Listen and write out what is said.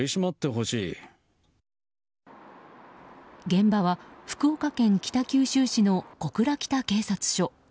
現場は福岡県北九州市の小倉北警察署。